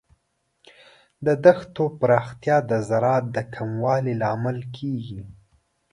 د دښتو پراختیا د زراعت د کموالي لامل کیږي.